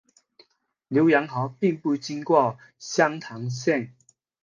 浏阳河并不经过湘潭县。